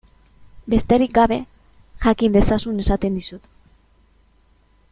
Besterik gabe, jakin dezazun esaten dizut.